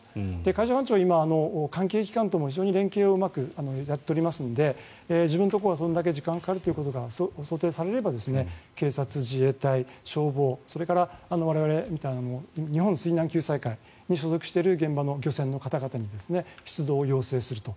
海上保安庁は今、関係機関とも非常に連携をやっておりますので自分のところはそれだけ時間がかかるということが想定されれば警察、自衛隊、消防それから我々みたいな日本水難会に所属している現場の方に出動を要請すると。